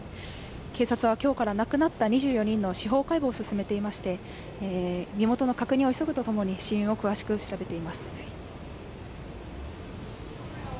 警察は今日から亡くなった２４人の司法解剖を進めていまして身元の確認を急ぐとともに死因を詳しく調べています。